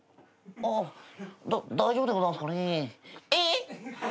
あだっ大丈夫でございますかね？